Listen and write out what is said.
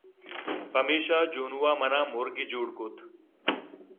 پمیشا جونو ءَمنا مُرگے جوڑ کُت